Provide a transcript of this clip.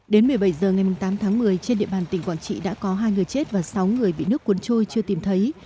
đến một mươi bảy h ngày tám tháng một mươi trên địa bàn tỉnh quảng trị đã có hai người chết và sáu người bị nước cuốn trôi chưa tìm thấy